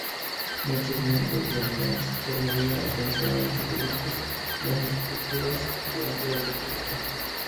Muchos miembros de la "gens" Cornelia alcanzaron las diferentes magistraturas durante la República.